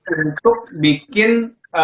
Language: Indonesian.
untuk bikin keringetan